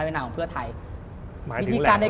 ได้เป็นหนังของเพื่อไทย